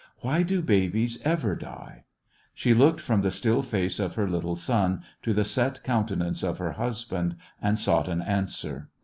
Why do babies ever die ? She looked from the still face of hdr little son to the set countenance of her husband and sought an answer.